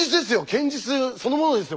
堅実そのものですよ